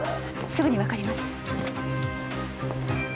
すぐにわかります。